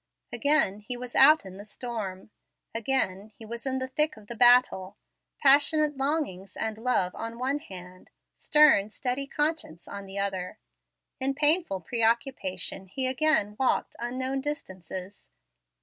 Again he was out in the storm; again he was in the thick of the battle; passionate longings and love on one hand; stern, steady conscience on the other. In painful pre occupation he again walked unknown distances.